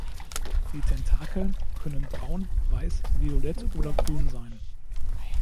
Die Tentakel können braun, weiß, violett oder grün sein.